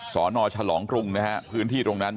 สนฉลองกรุงนะฮะพื้นที่ตรงนั้น